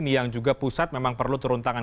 yang juga pusat memang perlu turun tangan